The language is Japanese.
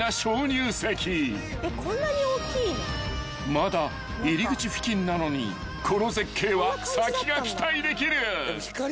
［まだ入り口付近なのにこの絶景は先が期待できる］